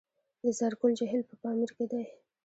د زرکول جهیل په پامیر کې دی